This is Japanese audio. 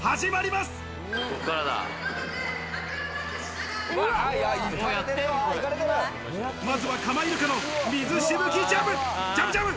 まずは、カマイルカの水しぶきジャブ。